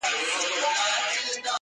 په ژړا ژړا یې وایستم له ښاره-